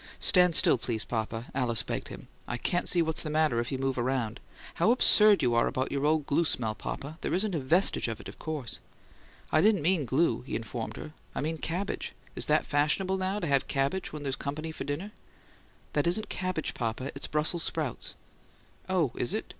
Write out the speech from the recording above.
"Stand still, please, papa," Alice begged him. "I can't see what's the matter if you move around. How absurd you are about your old glue smell, papa! There isn't a vestige of it, of course." "I didn't mean glue," he informed her. "I mean cabbage. Is that fashionable now, to have cabbage when there's company for dinner?" "That isn't cabbage, papa. It's Brussels sprouts." "Oh, is it?